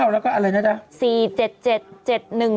แล้วก็อะไรนะจ๊ะ